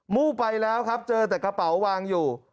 ู่ไปแล้วครับเจอแต่กระเป๋าวางอยู่